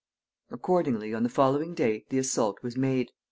Accordingly, on the following day the assault was made.